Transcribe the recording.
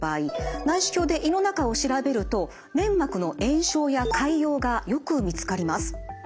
内視鏡で胃の中を調べると粘膜の炎症や潰瘍がよく見つかります。